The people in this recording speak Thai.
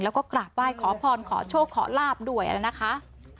แล้วก็กราบไหว้ขอพรขอโชคขอลาบด้วยนะคะ